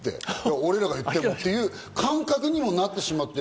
俺たちが言ってもっていう感覚になってしまってる。